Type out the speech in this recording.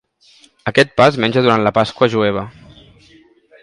Aquest pa es menja durant la Pasqua jueva.